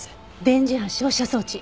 電磁波照射装置